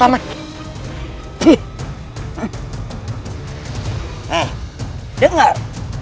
selain kuja gembar